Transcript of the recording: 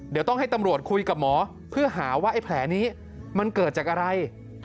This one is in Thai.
เดี๋ยวต้องให้ตำรวจคุยกับหมอเพื่อหาว่าไอ้แผลนี้มันเกิดจากอะไร